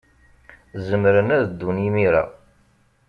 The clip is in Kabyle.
Zemren ad ddun imir-a.